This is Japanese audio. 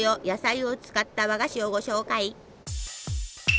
野菜を使った和菓子をご紹介！